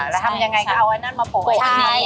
แล้วทำยังไงก็เอาอันนั้นมาโปะ